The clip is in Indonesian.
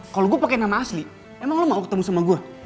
kalau gue pakai nama asli emang lo mau ketemu sama gue